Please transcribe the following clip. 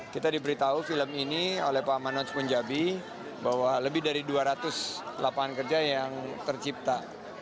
kita diberitahu film ini oleh pak amanon sukunjabi bahwa lebih dari dua ratus lapangan kerja yang tercipta